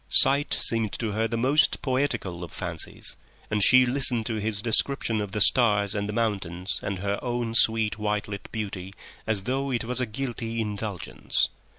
Sight seemed to her the most poetical of fancies, and she listened to his description of the stars and the mountains and her own sweet white lit beauty as though it was a guilty indulgence.